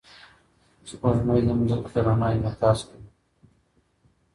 سپوږمۍ د ځمکې د رڼا انعکاس کوي.